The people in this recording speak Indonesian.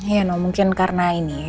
ya mungkin karena ini